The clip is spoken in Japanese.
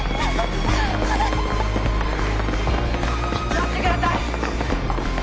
待ってください！